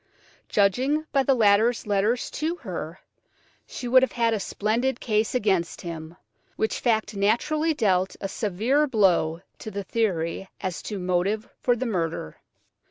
Judging by the latter's letters to her, she would have had a splendid case against him, which fact naturally dealt a severe blow to the theory as to motive for the murder.